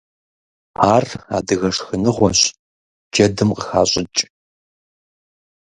Ар адыгэ шхыныгъуэщ, джэдым къыхащӏыкӏ.